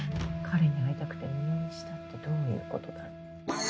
彼に会いたくて入院したってどういうことだろう？